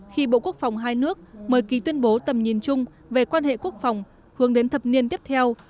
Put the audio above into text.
khi bộ quốc phòng hai nước mời ký tuyên bố tầm nhìn chung về quan hệ quốc phòng hướng đến thập niên tiếp theo